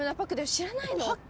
知らないの？